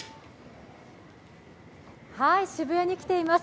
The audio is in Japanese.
渋谷に来ています。